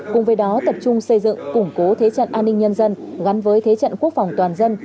cùng với đó tập trung xây dựng củng cố thế trận an ninh nhân dân gắn với thế trận quốc phòng toàn dân